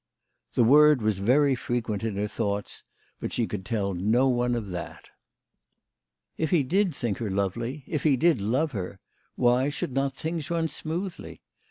The word was very fre quent in her thoughts, but she could tell no one of that ! If he did think her lovely, if he did love her, why should not things run smoothly